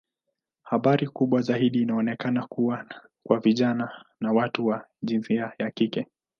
Hatari kubwa zaidi inaonekana kuwa kwa vijana na watu wa jinsia ya kike.